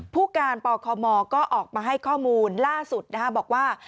ผู้การปคมก็ออกมาให้ข้อมูลล่าสุดบอกว่า